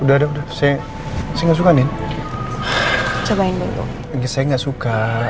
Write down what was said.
udah udah saya nggak suka nenek